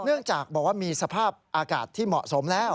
เนื่องจากบอกว่ามีสภาพอากาศที่เหมาะสมแล้ว